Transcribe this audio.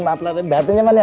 maaf lah air batinnya man